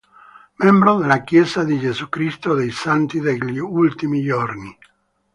Membro della Chiesa di Gesù Cristo dei Santi degli Ultimi Giorni.